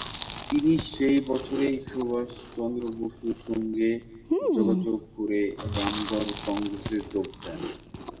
তিনি সেই বছরেই সুভাষ চন্দ্র বসুর সঙ্গে যোগাযোগ করে রামগড় কংগ্রেসে যোগ দেন।